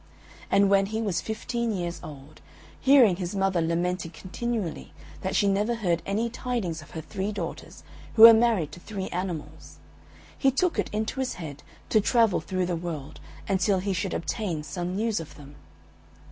And when he was fifteen years old, hearing his mother lamenting continually that she never heard any tidings of her three daughters, who were married to three animals; he took it into his head to travel through the world until he should obtain some news of them.